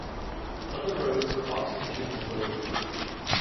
Other roads cross into Moldova.